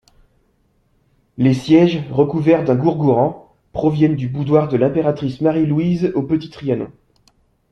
Les sièges, recouvert d'un gourgouran, proviennent du boudoir de l'impératrice Marie-Louise au Petit Trianon.